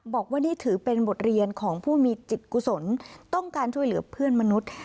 บอกว่านี่ถือเป็นบทเรียนของผู้มีจิตกุศลต้องการช่วยเหลือเพื่อนมนุษย์